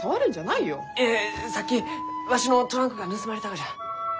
いやさっきわしのトランクが盗まれたがじゃ。